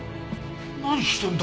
何してるんだ！